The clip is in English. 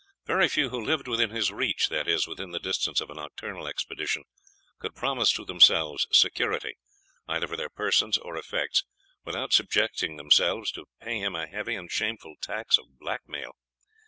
Very few who lived within his reach (that is, within the distance of a nocturnal expedition) could promise to themselves security, either for their persons or effects, without subjecting themselves to pay him a heavy and shameful tax of _black mail.